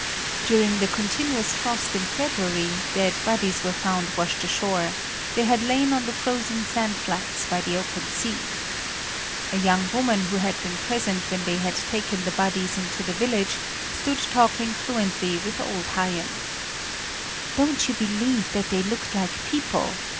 During the continuous frost in February, dead bodies were found washed ashore; they had lain on the frozen sand flats by the open sea. A young woman who had been present when they had taken the bodies into the village, stood talking fluently with old Haien. "Don't you believe that they looked like people!"